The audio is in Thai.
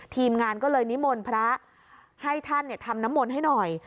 ทีมงานก็เลยนิมนต์พระให้ท่านทำน้ำมนต์ให้หน่อย